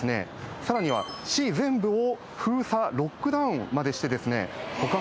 さらには市全部を封鎖ロックダウンまでしてですね。